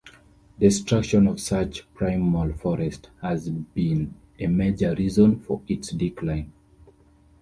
Destruction of such primal forests has been a major reason for its decline.